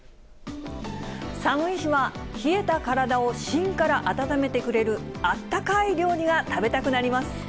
寒い日は冷えた体を芯から温めてくれる、あったかい料理が食べたくなります。